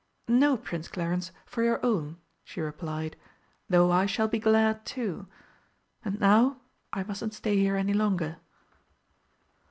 "No, Prince Clarence, for your own," she replied, "though I shall be glad, too. And now, I mustn't stay here any longer."